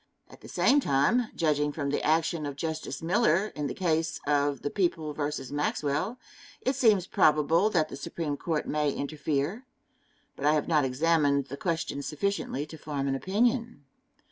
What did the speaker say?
At the same time, judging from the action of Justice Miller in the case of The People vs. Maxwell, it seems probable that the Supreme Court may interfere, but I have not examined the question sufficiently to form an opinion.